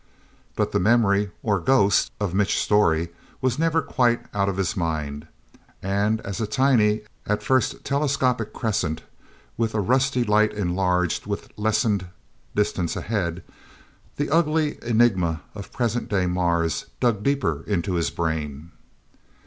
But the memory or ghost of Mitch Storey was never quite out of his mind. And, as a tiny, at first telescopic crescent with a rusty light enlarged with lessened distance ahead, the ugly enigma of present day Mars dug deeper into his brain.